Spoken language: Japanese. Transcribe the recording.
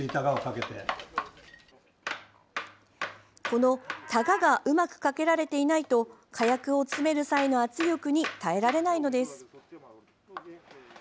この、たががうまくかけられていないと火薬を詰める際の圧力に耐えられないのです。